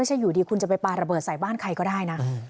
อยู่ดีคุณจะไปปลาระเบิดใส่บ้านใครก็ได้นะ